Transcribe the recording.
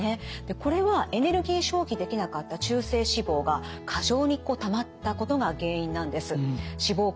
これはエネルギー消費できなかった中性脂肪が過剰にたまったことが原因なんです。